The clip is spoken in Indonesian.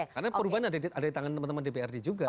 karena perubahan ada di tangan teman teman dprd juga